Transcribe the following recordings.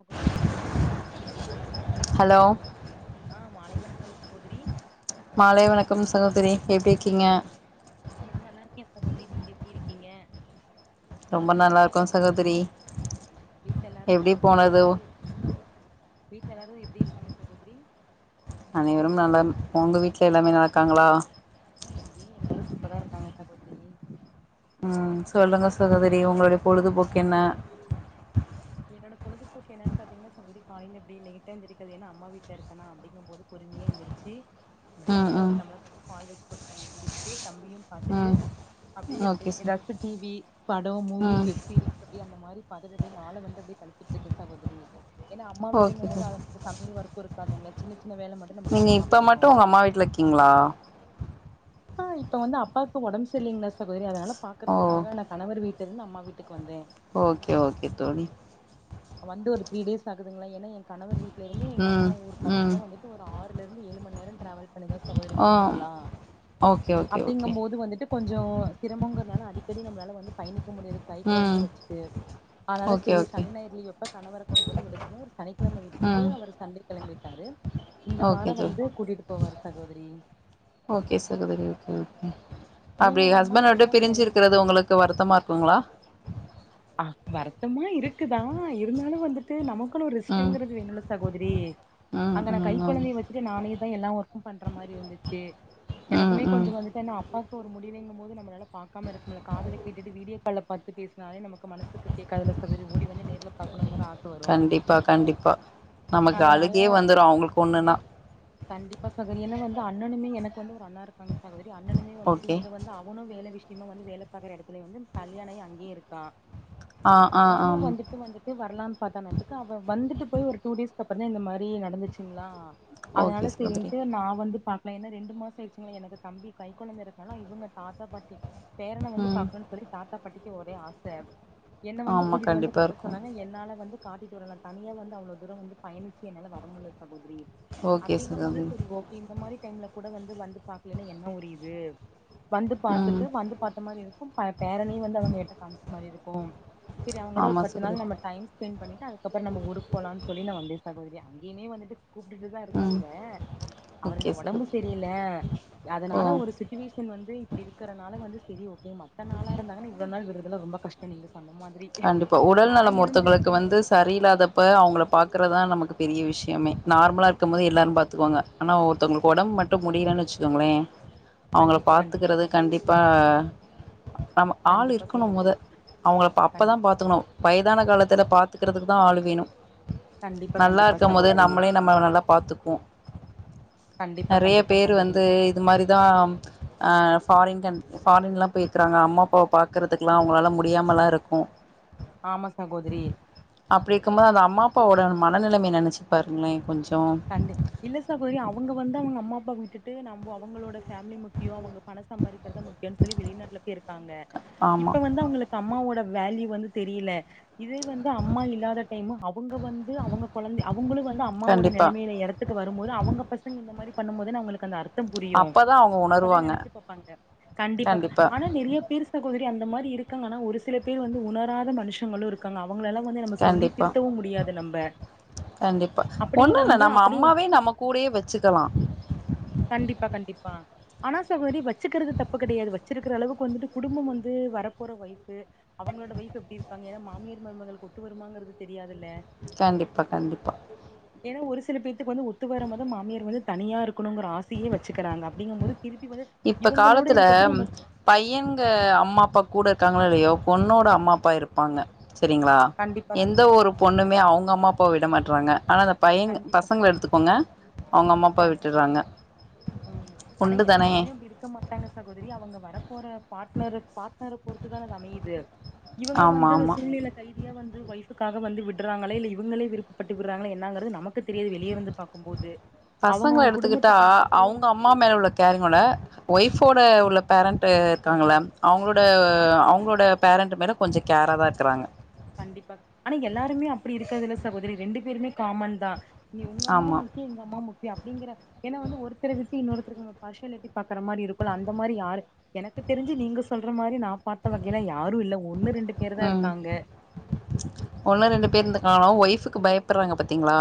அப்போ திடீர்னு ஹலோ ஆ மாலை வணக்கம் சகோதரி தரி எப்டி இருக்கீங்க நார நல்லா இருக்கேன் சகோதரி நீங்க எப்டி இருக்கீங்க ரொம்ப நல்லாருக்கோ சகோதரி வீட்ல எல்லாரு எப்டி சகோதரி வீட்டு போனது எல்லாரு எப் வீட் எல்லாரு எப்டி இருக்காங்க சகோதரி அனைவரும் நலம் உங்க வீட்ல எல்லாருமே நல்லாருக்காங்களா ஓ இங்கேயு எல்லாரு சூப்பரா இருக்காங்க சகோதரி ம் சொல்லுங்க சகோதரி உங்களுடைய பொழுதுபோக்கு என்ன என்னோட பொழுதுபோக்கு எனன் பாத்தீங்ன்னா சகோதரி காலையில அப்டியே லேட்டா எந்திரிகிறது ஏன்னா அம்மா வீட்டுல இருக்கனா அப்டிங்கும் போது பொறுமையா எலுந்திரிச்சு அப்படியே ம் அம்மா ஒரு ம் டம்ள பால் வச்ச கொடுப்பாங்க குடிச் சிட்டு தம்பியும் பார்த்துட்டு ம் அப்படியே அப்படியே ஓகே ச ஏதாச்சும் டிவி படம் ம் மூவிஸ் வெப் சீரிஸ் அப்படியே அந்த மாதிரி ப வந்து அப்படியே கழத்துிட்டு இருக்கு சகோதரி ஏன்னா அம்மா வீடுங்க ஓகே போது ச அதனு சமையல் வர பங்களா சின்ன சின்ன வேல மட்டு நம்ம நீங்க பண்ணுனா இப்ப போது மட்டும் உங்க அம்மா வீட்டுல இருக்கீங்களா ஆஹ் இப்ப வந்து அப்பா இப்ப உடம்பு இல்லைங்களா சகோதரி அதனால ஓ பாக்குறதுக்காக நான் கணவர் வீட்டு ச இருந்து அம்மா வீட்டுக்கு வந்தன் ஓகே ஓகே தோழி வந்து ஒரு த்ரீ டேஸ் ஆகுதுங்களா ஏன்னா என கணவர் வீட்டில இருந்து எங்க அம்மா ம் ஒரு ம் பத்து வந்துட்டு ஒரு ஆறுல இருந்து ஏழு மணி நேரம் டிராவல் பண்ணு சகோரி ஆ போனங்கள ஓகே ஓகே ஓகே அப்படிங்கும்போது வந்துட்டு கொஞ்சம் சிரமங்கனால அடி டி நம்மளால வந்து பயணிக்க முடியாது கை குழந்தைய ம் வச்சுட்டு அதனால ஓகே சரி ஓகே சனிநாய ப்ப கணவர கொண்டு வந்து விட சொன்ன சனிக்கிழமை விட்டுட்டு ம் அவர் சண்டை கிளம்பிட்டாரு இந்த ஓகே வாரம் தோழி வந்து கூட்டிட்டு போவாரு சகோதரி ஓகே சகோதரி உம் நீங்க அப்படி உங்க அம்மா ஹஸ்பண்ட் விட்டு வீட்டுக்குல்லா போவீங் பிரிஞ்சுிருக்கிறது உங்களுக்கு வருத்தமா இருக்குங்களா அ வருத்தமா இருக்குதா இருந்தாலும் வந்துட்டு நமக்கு மக்க ஒரு ம் இஷ்டங்கிறது என்னள சாகோதரி ம் அங்க நான் ம் கை ம் குழந்தைய வச்சுட்டு நானே தான் எல்லா ஒர்க்கும் பண்ற மாதிரி இருந்துச்சு ம் எனக்குமே ம் கொஞ்சம் வந்துட்டு என் அப்பாவுக்கு ஒரு முடி ங்கும் போது நம்மளால பாராம இருக்க காதல கேட்டு வீடியோ காால்ல பாரு பேச ஆே நமக்கு மனசுக்குேட்காதல ஓடி வந்து நேரில் பாரணுங்க கண்டிப்பா கண்டிப்பா நமக்கு அதனால அழுகே வந்துரும் அவங்களுக்கு ஒண்ணுன்னா கண்டிப்பா சகரியன வந்து அண்ணனுமே எனக்கு வந்து ஒரு அண்ணா இருக்காங்க சகோதரி அண்ணனுமே வந்துட்டு ஓகே இங்க வந்து அவனும் வேலை விஷயம் சயமா வந்து வேலை பார்க்கற இடத்துலய வந்து கல்யாணம் அங்கய இருக்கா ஆ ஆ அவனும் ஆம் வந்துட்டு வந்துட்டு வரலான்னு பார்த்த நட்டுக்கு அவன் வந்துட்டு போய் ஒரு டூ டேஸ் ப்புறான் இந்த மாதிரி நடந்துச்சுங்களா அதனால ஓகே சகோதரி சரிின்ட்டு நான் வந்து பா இ என்ன ரெண்டு மாசம் வச்சுங்களேன் எனக்கு தம்பி கை குழந்தை இருக்கனா இவங்க தாத்தா பாட்டி பேரனை வந்து ம் பாக்கணும்னு சொல்லி தாத்தா பாட்டிக்கு ஒரே ஆசை என்ன வந்து ஆமா கூட்டிட்டு வந்து கண்டிப்பா கட்ட இருக்கு சொன்னாங்க என்னால வந்து காட்டிட்டு வரலாம் தனியா வந்து அவ்ள தூரம் பயணிச்சு என்னால வர முடியல ஓகே அப்படிங்கும் போது சகோதரி சரி ஓகே இந்த மாதிரி டைம்ல கூட வந்து வந்து பாக்கலன்னா என்ன ஒரு இது வந்து பாத்துட்டு ம் வந்து பார்த்த மாரி இருக்கும் பல பேரனையும் வந்து அவங்க கிட்ட காமிச்ச மாதிரி இருக்கும் சரி அவங்களோட ஒரு ஆமா பத்து நாள் சகோதரி நம்ம டைம் ஸ்பெண்ட் பண்ணிட்டு அதுக்கப்புறம் நம்ம ஊருக்கு போலாம்னு சொல்லி நான் வந்துன் சகோதரி அங்கேயுமே வந்துட்டு கூப்பிட்டுட்டு தான் ம் இருக்காங்க அவர் ஓகே இந்த உடம்பு சகோதரி சரியல அதனால ஓ ஒரு சுச்சுவேஷன் வந்து இப்படி இருக்கறனால வந்து சரி ஓகே மத்த நாள இருந்தாங்க இவ்ள நாள் விரதுல ரொம்ப கஷ்டம் நீங்க சொன்ன மாதிரி கண்டிப்பா உடல் நா நலம் ஒரத்தங்களுக்கு இருந்திருந்தே வந்து சரியில்லாதப்ப அவங்கள பாக்க தான் நமக்கு பெரிய விஷயமே நார்மலா இருக்கும் போது எல்லாரும் பாத்தக்காங்க ஆனா ஒருத்தங்களுக்கு உடம்ப மட்டும் முடியலன்னுச்ச ங்களே அவங்கள கண்டிப்பா கண்டிப்பா பாத்துக்கிறது சகோதரி கண்டிப்பா நம்ம ஆள் கண்டிப்பா இருக்கணும் சகோதரி மொத அவங்கள பா கண்டி அப்பதான் பாத்துக்கணும் வயதான காலத்துல பாத்துக்கறிறதுக்கு தான் ஆள் வேணும் கண்டிப்பா நல்லா கண்டிப்பா இருக்கும் போது சகோதரி நம்மளே நம்ம நல்லா பாத்துக்கும்போம் கண்டிப்பா நிறைய கண்டிப்பா பேரு சகோதரி வந்து இது மாதிரிதான் அஹ் ஃபாரின் கண் ஃபாரின்லாம் போயிருக்கிறாங்க அம்மா அப்பாவை பாக்கறதுக்குல்லாம் அவங்களால முடியாமல்லாம் இருக்கும் ஆமா சகோதரி அப்படி இருக்கும்போது அந்த அம்மா அப்பாவோட மன நிலைமை நினைச்சு பாருங்களேன் கொஞ்சம் கண்டு இல்ல சகோதரி அவங்க வந்து அவங்க அம்மா அப்பா விட்டுட்டு நம்ம அவங்களோட பேமிலி முக்கியம் அவங்க பண சம்பாதிக்க ஆமா வேல்யூ வந்து தெரியல இதே வந்து அம்மா இல்லாத டைம் அவங்க வந்து அவங்க குழந்தை அவங்களும் வந்து அம்மாவோட கண்டிப்பா நிலைமையில இடத்துக்கு வரும்போது அவங்க பசங்க இந்த மாதிரி பண்ணும்போது நம்மளுக்கு அந்த அர்த்தம் புரியும் அப்பதா அவங்க அப்பதான் உணருவாங்க நினைச்சு பாரப்பாங்க கண்டிப்பா ஆனா நிறைய பேர் கோதரி அந்த மாதிரி இருக்காங்கன்னா ஒரு சில பேர் வந்து உணராத மனுஷங்களும் இருக்காங்க அவ அவங்கள எல்லாம் வந்து நம்ம சொல்லி கண்டிப்பா திருத்தவும் முடியாது நம்ப கண்டிப்பா அப்படி ஒண்ணு இல்ல வந்து நம்ம அப்படி அம்மாவே நம்ம கூடயே வச்சுக்கலா கண்டிப்பா கண்டிப்பா ஆனா சகோதரி வச்சுக்கிறது தப்பு கிடையாது வச்சிருக்கிற அளவுக்கு வந்துட்டு குடும்பம் வந்து வர போற வாய்ப்பு அவங்களோட வைஃப் எப்படி இருப்பாங்க ஏன்னா மாமியர் மருமகள் ஒத்து வருமாங்கிறது தெரியாது கண்டிப்பா கண்டிப்பா ஏன்னா ஒரு சில பேத்துக்கு வந்து ஒத்து வரும்பத மாமியார் வந்து தனியா இருக்கணுங்கிற ஆசையே வச்சுக்கிறாங்க அப்படிங்கும் போது திருப்பி வந்து இப்ப இவங்களோட காலத்துல இருக்கிறதுக்கு நம்ம பையங்க அம்மா அப்பா கூட இருக்காங்களா இல்லையோ பொண்ணோட அம்மா அப்பா இருப்பாங்க சரிங்களா கண்டிப்பா எந்த ஒரு பொண்ணுமே அவங்க அம்மா அப்ப விட மாடறாங்க ஆனால் அந்த பையன் கண்டிப்பா பசங்களை எடுத்துக்கோங்க அவங்க அம்மா அப்பாவ கண் விட்டுறாங்க ம் ஆனா உண்டு தானே எல்லாருமே இருக்க மாட்டாங்க சகோதரி அவங்க வரப்போற பார்ட்னரு பார்ட்னரை பொறுத்துதான் அது அமையுது இவங்க ஆமா வந்து அந்த ஆமா சூழ்நிலை கைதியா வந்து வய க்காக வந்து விடுறாங்களே இல்ல இவங்களே விருப்பட்டு விடுறாங்களே என்னங்கிறது நமக்கு தெரியது வெளியே வந்து பாக்கும்போது பசங்களை அவங்கவுங்க எடுத்துகிட்ட குடும்பத்துக்குள்ள வந்து அவங்க அம்மா மேல உள்ள காறிங்களை ஒய்ஃபோட உள்ள பேரண்ட் இருக்காங்கள அவங்களோட ஆ அவங்களோட பேரண்ட் மேல கொஞ்சம் கேராக தான் இருக்கிறாங்க கண்டிப்பா ஆனா எல்லாருமே அப்படி இருக்கது இல்ல சகோதரி ரெண்டு பேருமே காமன் தான் நீ உங்க அம்மா ஆமா முக்கியி எங்க அம்மா முக்கிய அப்படிங்கிற என்ன வந்து ஒருத்தரை விட்டு இன்னொருத்தருக்கு பார்ட்டியாலிட்டி பாக்குற மாதிரி இருக்கும் அந்த மாதிரி யா எனக்கு தெரிஞ்ச நீங்க சொல்ற மாதிரி நான் பாத்த வகையில யாரும் இல்ல ஒண்ணு ரெண்டு பேரு தான் இருக்காங்க ஒண்ணும் ரெண்டு பேர் இருந்து காணும் ஒய்ஃபுக்கு பயப்படுறாங்க பாத்தீங்களா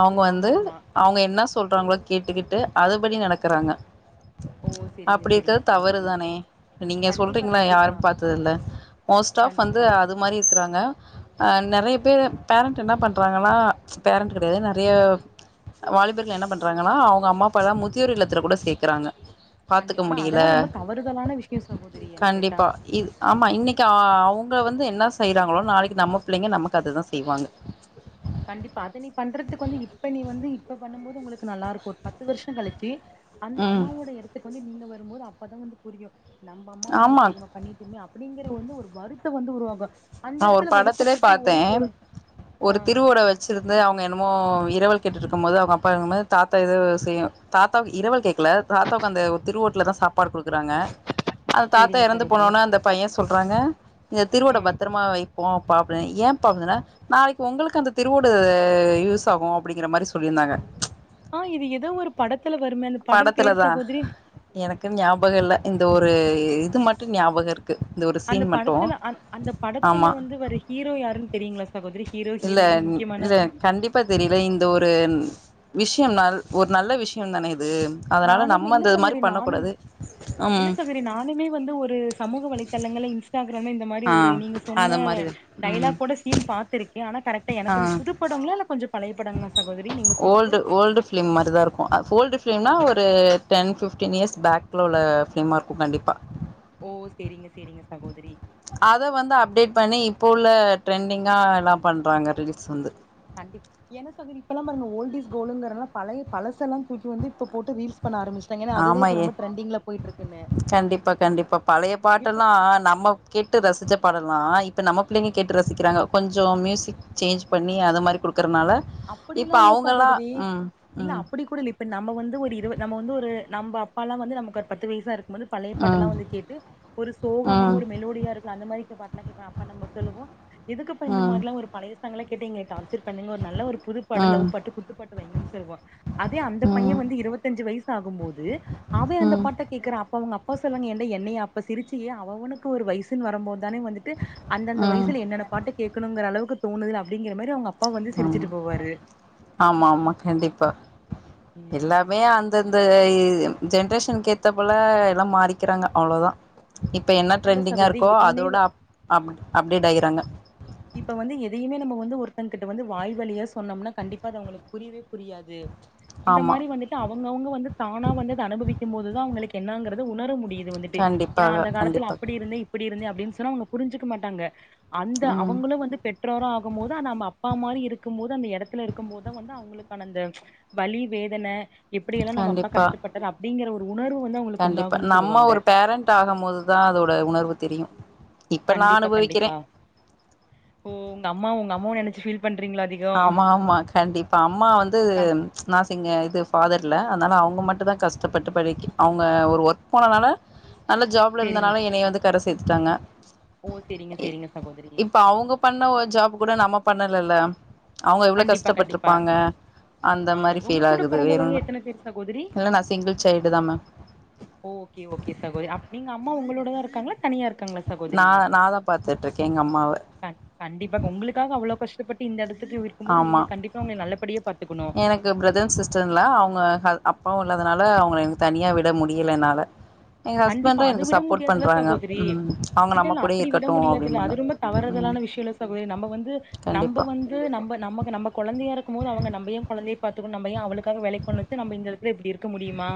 அவங்க ஆமா வந்து ஆமா அவங்க என்ன சொல்றாங்களோ கேட்டுக்கிட்டு அதுபடி நடக்கறாங்க ஓ செரிங்க அப்படி செரிங்க இருக்கிறது சகோதரி தவறுதானே நீங்க கண்டிப்பா சொல்றீங்களா கண்டிப்பா யாரும் பாத்தத இல்ல மோஸ்ட் ஆப் வந்து கண்டிப்பா அது மாதிரி இருக்கறாங்க அ நிறைய பேர் பேரண்ட் என்ன பண்றாங்கன்னா பேரண்ட் கிடையாது நெறைய வாலிபர்கள் என்ன பண்றாங்கன்னா அவுங்க அம்மா அப்பா எலா முதியோர் இல்லத்துல கூட சேக்குறாங்க கண்டி பாத்துக்க ஆனா முடியல அதெல்லா ரொம்ப தவறுதலான விஷயோ சகோதரி என்ன கேட்டா கண்டிப்பா இது ஆமா இன்னைக்கு அவுங் க வந்து என்ன செய்யறாங்களோ நாளைக்கு நம்ம புள்ளைங்க நமக்கு அதுதான் செய்வாங்க கண்டிப்பா அத நீ பண்றதுக்கு வந்து இப்ப நீ வந்து இப்ப பண்ணும்போது உங்களுக்கு நல்லா இருக்கு ஒரு பத்து வருஷோ கழிச்சு அந்த ம் அம்மாவோட இடத்துக்கு வந்து நீங்க வரும்போது அப்பதான் வந்து புரியு நம்ப அம்மா வந்து ஆமா இப்புடி நம்ப பண்ணிட்டோமே அப்புடிங்கிற வந்து ஒரு வருத்தோ வந்து உருவாகு அந்த நான் ஒரு எடத்துல படத்தில வருத்தப்பட்டு ஒரு பாத்தேன் ஒரு ஒ ஆ திருவுடவே வச்சிருந்து அவங்க என்னமோ இரவல் கேட்டுயிருக்கும் போது அவங்க அப்பா இருக்கு போது தாத்தா எது செய்யும் தாத்தா இரவல் கேக் ல தாத்தாக்கு அந்த திருவூட்டல தான் சாப்பாடு குடுக் குறாங்க அந்த தாத்தா சேரிங்க இறந்து சகோதரி போனோன்ன அந்த பையன் சொல்றாங்க இந்த திருவோட ஆ பத் ப்போ பா ஏன் பா நாளைக்கு உங்களுக்கு அந்த திருவோடு யூஸ் ஆகு அப்புடிங்கிற மாரி சொல் புடிந்தாங்க ஆ இது ஏதோ ஒரு படத்துல வருமே அந்த படம் பேரு படத்துலதான் சகோதரி எனக்கு ஞாபகம் இல்ல இந்த ஒரு இது மட்டு ஞாபகம் இருக்கு இந்த ஒரு அந்த சீன் மட்டு படத்துல அந் அந்த படத்துல ஆமா வந்து வர ஹீரோ யாருன்னு தெரியுங்களா சகோதரி ஹீரோ இல்ல ஹீரோயின் முக்கியமான இல்ல கண்டிப்பா தெரியல இந்த ஒரு விஷயோ ஒரு நல்ல விஷயோ ஒன்னு இருக் நானுமே இல்ல சகோதரி நானும் இல்ல ம் சகோரி நானுமே வந்து ஒரு சமூக வலை த்தள்ளங்கள இன்ஸ்டாகி ராம் வந்து இந்த மாரி ஆ ஒரு நீங்க அந்த சொன்ன மாரி ம் டைலாக்யோட சீன் பாத்து இருக்கு ஆனா கரெக்டா ஆ எனக்குமே புதுப்படங்கள இல்ல கொஞ்சோ பழைய படங்களா சகோதரி நீங்க சொன்னது ஓல்டு ஓல்டு பிலிம் மாரிதான் இருக்கு ஓல்டு ஓ ஃப்பிலிம்னா ஒரு டென் பிப்டீன் இயர்ஸ் பேக்கல உள்ள ஃப்பிலிமா இருக்கு கண்டிப்பா ஓ சேரிங்க சேரிங்க சகோதரி ல ட்ரெண்டிங்கா எல்லா பண்றாங்க ரீல்ஸ் ஆ கண்டிப் என்ன சகோதரி இப்ப எல்லாம் பாருங்க ஓல்ட் இஸ் கோல்ட்டுங்கறனால எல்லா பழைய பழச எல்லா தூக்கி வந்து இப்ப போட்டு ரீல்ஸ் பண்ண ஆரம்பிச்சுட்டாங்க ஏன்னா அது தான் ஆமா இப்ப ஏ ரொம்ப டிரெண்டிங்ல போயிட்டு இருக்குனு கண்டிப்பா கண்டிப்பா பழைய பாட்டெல்லா நம்ம கேட்டு ரசிச்சப் பாடலாம் இப்ப நம் பிள்ளைங்க கேட்டு ரசிக்கிறாங்க கொஞ்சோ மியூசிக் சேஞ்ச் பண்ணி அது மாதிரி குடுக் கறனால இப்ப அப்படிலா இல்ல அவங்கெல்லா சகோதரி உம் இல்ல உம் அப்படி கூட இல்ல நம்ம வந்து ஒரு இருவ நம்ம வந்து ஒரு நம்ம அப்பாாலா வந்து நமக்கு ஒரு பத்து வயசா இருக்கு போது பழைய பாட்டெல்லா ம் வந்து கேட்டு ஒரு சோகமா ம் ஒரு மெலோடியா இருக்க அந்த மாரி பாட்டெல்லா கேப்பாங்க அப்ப நம்ம சொல்லுவோ எதுக்குப்பா ம் இந்த ம் மாரிலா ஒரு பழையசாங்கல கேட்டு எங்கள டார்ச்சர் பண்றீங்கோ புதுப்பாடு லவ் பாட்டு குட்டுப்பாட்டு வெய்ங்கனு சொல்லுவோ அதே அந்த பையன் ம் வந்து இருபத்தஞ்சு வயசு ஆகும் போது அவே அந்த பாட்ட கேடக்குற அப்ப அவங்க அப்பா சொல்லுங்க ஏன்டா என்ன அப்ப சிரிச்சியே அவ அவனுக்கு ஒரு வயசுனு வரும்போது தானே வந்துட்டு அந்தந்த ம் வயசுல என்ன என்ன பாட்டு கேக்கணுங் அளவுக்கு தோணுது அப்புடிங்க மாரி அவங்க அப்பா வந்து ம் சிரிச்சுட்டு ஆமா ஆமா கண்டிப்பா ம் எல்லாமே அந்தந்த ஜென்ரேஷனுக்கு ஏத்த போல எல்லா மாறிக்கிறாங்க அவ்ளோதான் இப்போ என்ன அப்டி இல்ல ட்ரெண்டிங்கா சகோதரி இருக்கோ எதையுமே அதோட வ- அப் அப் அப்டேட் ஆய்கிறாங்க இப்ப வந்து எதையுமே நம்ம வந்து ஒருத்தன் கிட்ட வந்து வாய் வழியா சொன்னோம்னா கண்டிப்பா அது அவங்களுக்கு புரியவே புரியாது இந்த ஆமா மாரி வந்துட்டு அவங்கவுங்க வந்து தானா வந்து அனுபவிக்கும் போதுதான் அவங்களுக்கு என்னங்கறது உணர முடியுது வந்துட்டு ஏன்னா கண்டிப்பாக அந்த காலத்தில் கண்டிப்பாக அப்புடி இருந்த இப்படி இருந்த அப்புடின்னு சொன்ன அவுங்க புரிஞ்சுக்க மாட்டாங்க அந்த அவ் ம் அவங்களும வந்து பெற்றோர ஆகும் போது அது நம்ம அப்பா மாரி இருக்கும்போது அந்த இடத்துல இருக்கும் போதுதான் வந்து அவங்களுக்கான அந்த வழி வேதன எப்படி எல்லாம் நம்ப அப்பா கண்டிப்பா கஷ்டப்பட்டாரு அப்புடிங்கிற ஒரு உணர்வு வந்து அவங்களுக்கு கண்டிப்பா உண்டாகுன்னு நம்ம சொல்லுவாங்க ஒரு பேரண்டட் ஆகும் போதுதான் அதோட உணர்வு தெரியு இப்ப நா கண்டிப்பா அனுபவிக்கிறே கண்டிப்பா ஓ உங்க அம்மா உங்க அம்மாவ நினைச்சு ஃபீல் பண்றீங்களா அதிகோ ஆமா ஆமா கண்டிப்பா அம்மா வந்து ஆ நா ங்க இது ஃபாதர் இல்ல அதனால அவங்க மட்டு தான் கஷ்டப்பட்டு படிக்கு அவுங்க ஒரு ஒர்க் போனதுனால நல்ல ஜாப்ல சேரிங்க இருந்தனால என்னைய வந்து கர சேத்துட்டாங்க ஓ சேரிங்க சேரிங்க சகோதரி இப்ப அவங்க பண்ண ஒரு ஜாப் கூட நம்ம பண்ணல இல்ல அவுங்க எவ்ளோ கண்டிப்பா கண்டிப்பா கஷ்டப்பட்டிருப்பாங்க அந்த ஆ மாரி உங்க ஃபீல் கூட ஆகுது வேறு பிறந்தவங்க ஒண்ணு எத்தன பேர் சகோதரி இல்ல நா சிங்கிள் சைல்டு தா மேம் ஓகே ஓகே சகோதரி அ நீங்க அம்மா உங்களோடதா இருக்காங்களா தனியா இருக்கங்களா நா சகோதரி நா தா பாத்துட்ருக்கே எங்க அம்மாவ அ கண்டிப்பா பொங்களுக்காக அவ்ளோ கஷ்டப்பட்டு இந்த எடத்துக்குயிருக்கு போது ஆமா நீங்க கண்டிப்பா உங்கள நல்லபடியா பா பாத்து எனக்கு பிரதர் சிஸ்டர்ன்லா அவுங்க அ அப்பாவுல் ல அதுனால அவுங்கள எங் தனியா விட முடியல என்னால எங்க கண்டிப்பா ஹஸ்பண்ட்டு அது எனக்கு விட சப்போர்ட் முடியாதுல்ல பண்றாங்க சகோதரி உம் அவுங்க இல்ல நம்ம இல்ல கூடயே இருக்கட்டு அப்டின்ம்பாங்க உம் ஐ விஸ் யூ லெஸ் சகோதரி நம்ம வந்து நம்ம வந்து நம்ம நம் நம்ம கொழந்தையா இருக்கும் போது அவுங்க நம்மயு கொழந்தைய பாத்துக்கணு நம்ம ஏ அவளுகாக வேலேக்கு போனுட்டு நம் இந்த எடத்தில இப்டி இருக்க முடியுமா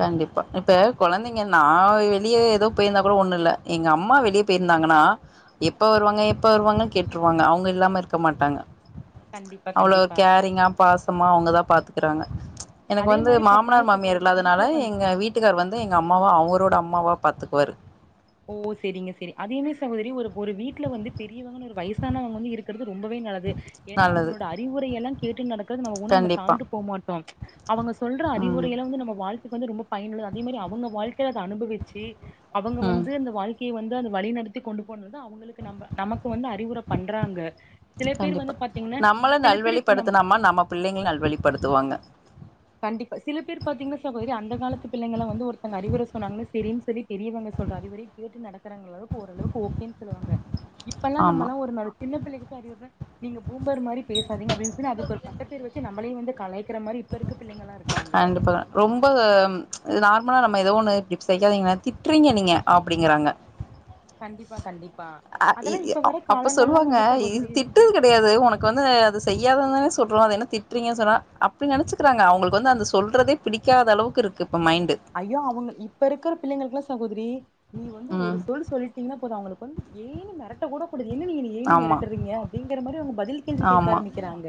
கண்டிப்பா இப்ப கொழந்தைங்கள்னா வெளியே ஏதோ போயிருந்தா கூட ஒண்ணு இல்ல எங்க அம்மா வெளியே போயிருந் தாங்கனா எப்ப வருவாங்க எப்ப வருவாங்க கேட்டுருவாங்க அவுங்க இல்லாம இருக்க மாட்டாங்க கண்டிப்பா அவ்ளோ கண்டிப்பா கேரிங்கா பாசமா அவுங்கதா பாத்துக்கிறாங்க எனக்கு அதே வந்து மாரி பாத்தீங்கன்னா மாமனார் மாமியார் சகோதரி இல்லாத வீட்ல ரை வந்து எங்க வீட்டுக்கார் வந்து எங்க அம்மாவா அவரோட அம்மாவா பாத்துக்குவாரு ஓ செரிங்க செரி அது என்ன சகோதரி ஒரு ஒரு வீட்ல வந்து பெரியவுங்கனு ஒரு வயசானவங்க வந்து இருக்கிறது ரொம்பவே நல்லது ஏன்னா நல்லது அவுங்களோட அறிவுரைய எல்லா கேட் டு நடக்கிறது நம்ம உ நம்ம கண்டிப்பா தாழ்ந்து போ மாட்டோ அவுங்க சொல்ற ம் அறிவுரையலா வந்து நம்ம வாழ் த்துக்கு வந்து ரொம்ப பயனுள்ளது அதே மாரி அவுங்க வாழ்க்கைய அத அனுபவிச்சி அவுங்க வந் ம் வாழ்க்கைய வந்து அந்த வழி நடத்தி கொண்டு போ னது அவுங்களுக்கு நம்ம நமக்கு வந்து அறிவுர பண்றாங்க சில பேர் வந்து பாத்தீங்கனா சில பேர் இப் படுத்தினாமா நம்ம பிள்ளைங்க நல்வழிப்படுத்துவாங்க கண்டிப்பா சில பேர் பாத்தீங்கனா சகோதரி அந்த காலத்து பிள்ளைகளா வந்து ஒருத்தங்க அறிவுர சொன்னாங்க செரினு சொல்லி பெரியவுங்க சொல்ற அறிவுரய கேட்டு நடக்கறாங்களவுக்கு ஓரளவுக்கு ஓகேன்னு சொல்லுவாங்க இப்பெல்லா ஆமா நம்மல்லா ஒரு ந சின்ன பிள்ளைக்கு தா அறிவுரே நீங்க பூம்பர் மாரி பேசாதீங்க அப்டினு சொல்லி அதுக்கு ஒரு பட்ட பேர் வச்சு நம்மளையு வந்து கலாய்க்கிற மாரி இப்ப இருக்கு கண்டிப்பாதா ரொம்ப நார்மலா நம் ம ஏதோ ஒண்ணு இப்டி செய்யாதீங்க திட்டுறீங்க நீங்க அப்டிங்கறாங்க கண்டிப்பா கண்டி அ இ ஓ அப்ப சொல்லுவாங்க இது சகோதரி திட்றது கெடையாது ஒனக்கு வந்து அது செய்யாத தான சொல்றோ அத என்ன திட்டுறீங்க சொன்ன அப்டி நெனச்சுக்கிறாங்க அவுங்களுக்கு வந்து அந்த சொல்றதே பிடிக்காத அளவுக்கு இருக்கு இப்ப மைண்டு ஐயோ அவுங்க இப்ப இருக்கிற பிள்ளைங்களுக்குலா சகோதிரி நீ வந்து ஒரு ம் சொல் சொல்லிட்டீங்கனா போது அவுங்களுக்கு வந்து ஏய்னு மெரட்ட கூடக்கூடுது என்ன நீ என்னயே நீ ஆமா மெரட்டுறீங்க அப்டிங்கிற மாரி அவுங்க தில் கேள்வி கேக்க ஆமா ஆரம்பிக்கிறாங்க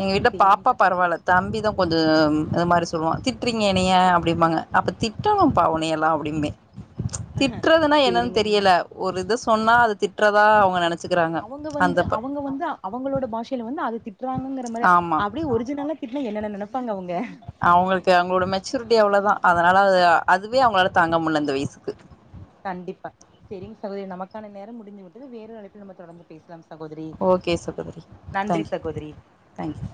எங்க வீட்டு சேரிங்க பாப்பா சகோதரி பரவால்ல தம்பிதா கொஞ்சோ உம் இது மாரி ஸ் சொல்லுவா திட்டுறீங்க என்னைய அப்டிம்பாங்க அப்ப திட்டணுபா ஒனயல்லா அப்டியுபே திட்டுறதுனா என்னன்னு சேரிங்க தெரியல ஒரு இத சொன்னா அது திட்டுறதா அவுங்க நெனச் அவுங்க வந்து அவுங்க வந்து அவுங்களோட பாஷைல வந்து அது திட்டுறாங்கிற மாரி ஆமா அப்டியே ஒஜினலா திட்னா என்னென்ன நெனப் அவுங்களுக்கு அவுங்களோட மெச்சூரிட்டி அவ்ளோதா அதுனால அது அதுவே அவுங்களால தாங்க முள்ள அந்த வயசுக்கு கண்டிப்பா செரிங்க சகோதிரி நமக்கான நேரம் முடிஞ்சு விட்டது வேறு அழைப்பில் நம்ம தொடர்ந்து பேசு ஓகே சகோதரி நன்றி தேங்க்யூ சகோதரி தேங்க்யூ